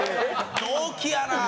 同期やなあ！